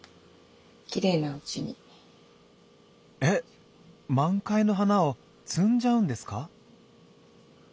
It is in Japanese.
満開の花を摘んじゃうんですか？